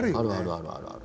あるあるある。